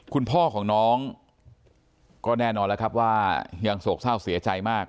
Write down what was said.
คุณพ่อของน้องก็แน่นอนแล้วครับว่ายังโศกเศร้าเสียใจมาก